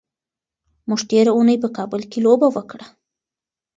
موږ تېره اونۍ په کابل کې لوبه وکړه.